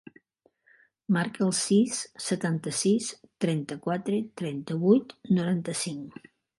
Marca el sis, setanta-sis, trenta-quatre, trenta-vuit, noranta-cinc.